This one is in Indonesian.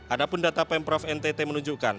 ada pun data pemprov ntt menunjukkan